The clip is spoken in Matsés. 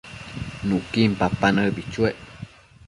Nuquin papa nëbi chuec